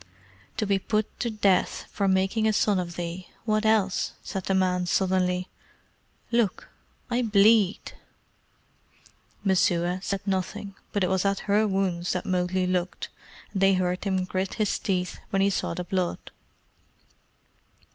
"To be put to the death for making a son of thee what else?" said the man sullenly. "Look! I bleed." Messua said nothing, but it was at her wounds that Mowgli looked, and they heard him grit his teeth when he saw the blood.